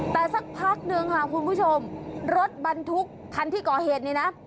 แต่สักพักหนึ่งค่ะคุณผู้ชมรถบรรทุกคันที่ก่อเหตุนี้นะ